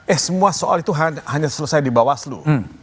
eh semua soal itu hanya selesai di bawaslu